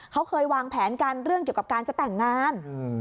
เขาเคยวางแผนกันเรื่องเกี่ยวกับการจะแต่งงาน